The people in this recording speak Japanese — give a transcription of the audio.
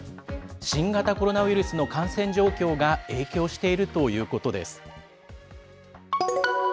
新型コロナウイルスの感染状況が影響しているということです。